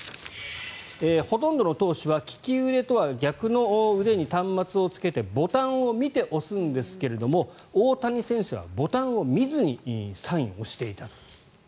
ほとんどの投手は利き腕とは逆の腕に端末を着けてボタンを見て押すんですが大谷選手はボタンを見ずにサインを押していた。